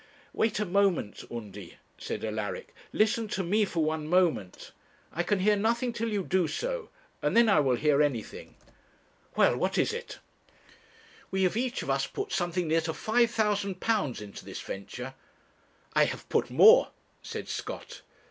'Wait a moment, Undy,' said Alaric; 'listen to me for one moment. I can hear nothing till you do so, and then I will hear anything.' 'Well, what is it?' We have each of us put something near to £5,000 into this venture.' 'I have put more,' said Scott.